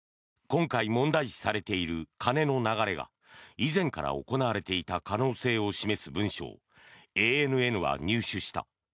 今回、問題視されている金の流れが以前から行われていた可能性を示す文書をＡＮＮが入手した。